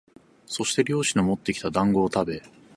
そして猟師のもってきた団子をたべ、